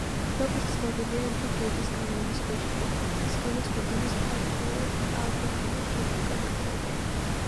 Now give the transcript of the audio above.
როგორც ცნობილია, იგი დედის გავლენის ქვეშ იყო, რის გამოც ქვეყანას ფაქტიურად ალბერტინა ფრედერიკა მართავდა.